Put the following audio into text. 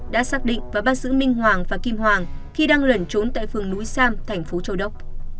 đã xác định và bắt giữ minh hoàng và kim hoàng khi đang lẩn trốn tại phường núi sam thành phố châu đốc